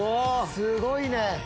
すごいね！